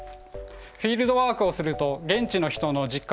フィールドワークをすると現地の人の実感に触れ